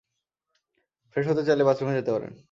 Fresh হতে চাইলে বাথরুমে যেতে পারেন।